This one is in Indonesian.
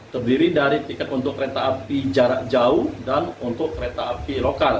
terdiri dari tiket untuk kereta api jarak jauh dan untuk kereta api lokal